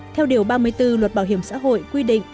theo điều ba mươi bốn luật bảo hiểm xã hội quy định